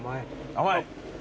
甘い。